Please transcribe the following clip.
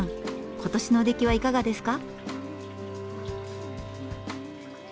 今年の出来はいかがですか？